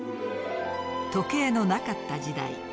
時計のなかった時代。